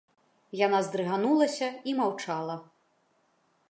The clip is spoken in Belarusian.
Яна здрыганулася і маўчала.